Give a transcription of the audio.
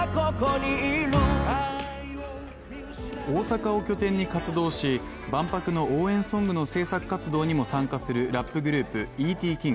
大阪を拠点に活動し、万博の応援ソングの制作活動にも参加するラップグループ・ＥＴ−ＫＩＮＧ